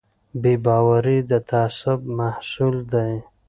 بې باوري د تعصب محصول دی